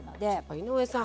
井上さん